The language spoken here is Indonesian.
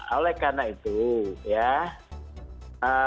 oleh karena itu ya